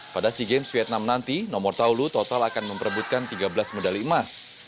pada sea games vietnam nanti nomor taulu total akan memperebutkan tiga belas medali emas